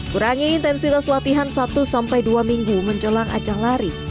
kurangi intensitas latihan satu dua minggu mencolang ajang lari